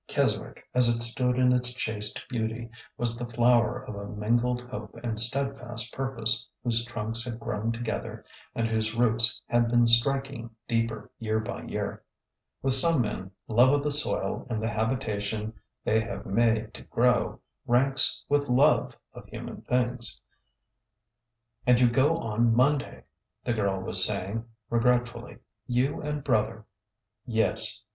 Keswick, as it stood in its chaste beauty, was the flower of a mingled hope and steadfast purpose whose trunks had grown together and whose roots had been striking deeper year by year. With some men, love of the soil and the habitation they have made to grow ranks with love of human things. And you go on Monday," the girl was saying, regret fully,— you and brother." " Yes.